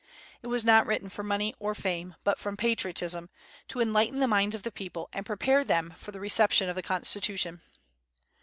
It was not written for money or fame, but from patriotism, to enlighten the minds of the people, and prepare them for the reception of the Constitution.